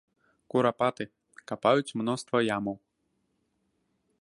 Курапаты, капаюць мноства ямаў.